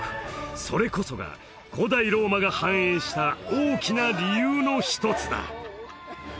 それこそが古代ローマが繁栄した大きな理由の一つだ